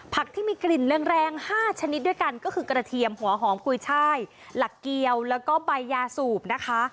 ที่มีกลิ่นแรง๕ชนิดด้วยกันก็คือกระเทียมหัวหอมกุยช่ายหลักเกียวแล้วก็ใบยาสูบนะคะ